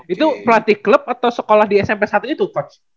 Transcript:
itu pelatih klub atau sekolah di smp satu itu coach